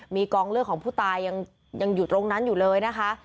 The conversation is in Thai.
มีกองเลือดของผู้ตายยังอยู่ตรงนั้นอยู่เลยนะคะ